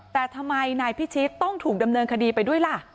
แต่ทำไมนายพิชิตต้องถูกดำเนินคดีไปด้วยล่ะ